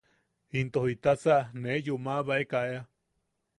Into jitasa ne yuumabaeka ea.